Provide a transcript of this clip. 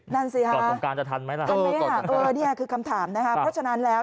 นั่นสิฮะทันไหมฮะนี่คือคำถามนะฮะเพราะฉะนั้นแล้ว